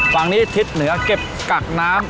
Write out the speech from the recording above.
ฝั่งนี้ทิศเหนือเก็บกักน้ำ